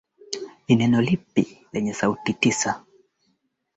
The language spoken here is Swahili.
Jumamosi wangeenda kutembelea sehemu waliyoichagua ambapo wakati mwingine walienda nje ya Dar